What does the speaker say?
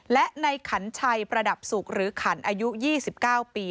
และในขันชัยประดับสุขหรือขันอายุ๒๙ปี